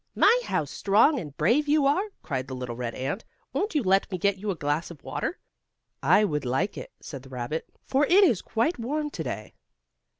"My, how strong and brave you are," cried the little red ant. "Won't you let me get you a glass of water?" "I would like it," said the rabbit, "for it is quite warm to day."